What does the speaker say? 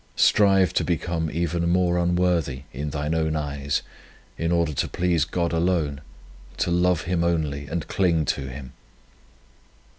Strive to become even more unworthy in thine own eyes, in order to please God alone, to love Him only and cling to Him.